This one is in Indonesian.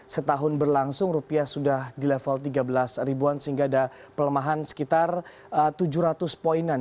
setahun berlangsung rupiah sudah di level tiga belas ribuan sehingga ada pelemahan sekitar tujuh ratus poinan